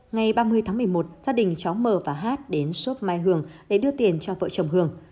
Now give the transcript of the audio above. ngày ba mươi tháng một mươi một gia đình cháu m và hát đến shop mai hương để đưa tiền cho vợ chồng hường